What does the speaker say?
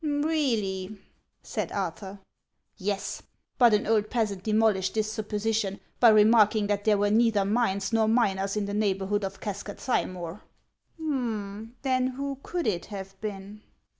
" Really I " said Arthur. •' Yes ; but an old peasant demolished this supposition by remarking that there were neither mines nor miners in the neighborhood of Cascadthymore." " Then who could it have been